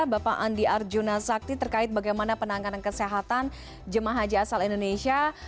bapak andi arjuna sakti terkait bagaimana penanganan kesehatan jemaah haji asal indonesia